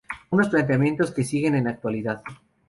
Unos planteamientos que siguen en actualidad.